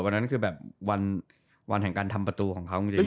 วันนั้นคือแบบวันแห่งการทำประตูของเขาจริง